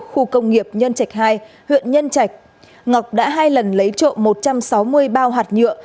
khu công nghiệp nhân trạch hai huyện nhân trạch ngọc đã hai lần lấy trộm một trăm sáu mươi bao hạt nhựa